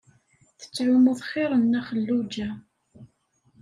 Tettɛumuḍ xir n Nna Xelluǧa.